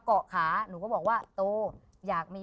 คนยังถูกที่